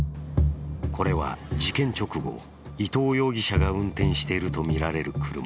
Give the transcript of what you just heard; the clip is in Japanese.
これは事件直後、伊藤容疑者が運転しているとみられる車。